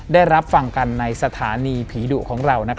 ได้รับฟังกันในสถานีผีดุของเรา